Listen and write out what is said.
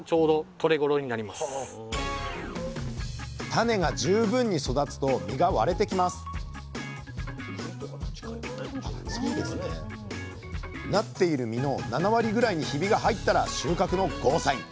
種が十分に育つと実が割れてきますなっている実の７割ぐらいにひびが入ったら収穫のゴーサイン！